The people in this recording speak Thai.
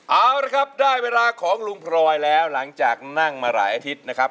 เอาละครับได้เวลาของลุงพลอยแล้วหลังจากนั่งมาหลายอาทิตย์นะครับ